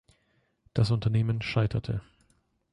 Das Unternehmen scheiterte.